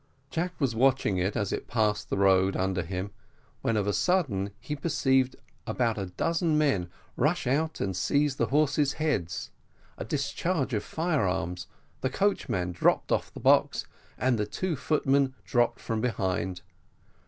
Jack was watching it as it passed the road under him, when, of a sudden, he perceived about a dozen men rush out, and seize the horses' heads a discharge of fire arms, the coachman dropped off the box, and the two footmen dropped from behind.